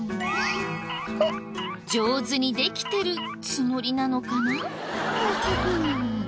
上手にできてるつもりなのかな？